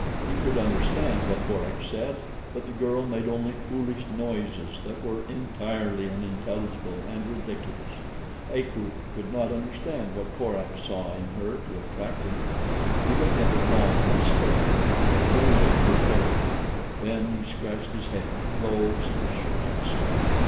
He could understand what Korak said but the girl made only foolish noises that were entirely unintelligible and ridiculous. Akut could not understand what Korak saw in her to attract him. He looked at her long and steadily, appraising her carefully, then he scratched his head, rose and shook himself.